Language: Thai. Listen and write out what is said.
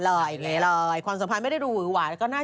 เรียบอย่างนี้ไม่ได้ใช่เปล่า